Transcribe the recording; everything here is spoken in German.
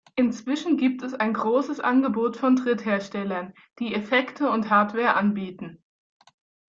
Inzwischen gibt es ein großes Angebot von Drittherstellern, die Effekte und Hardware anbieten.